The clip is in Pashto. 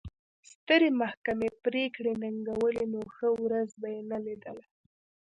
سترې محکمې پرېکړې ننګولې نو ښه ورځ به یې نه لیدله.